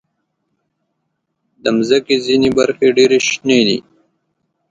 د مځکې ځینې برخې ډېر شنې دي.